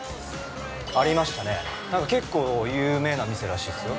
◆ありましたね、結構有名な店らしいっすよ。